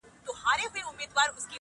دا ستا شعرونه مي د زړه آواز دى,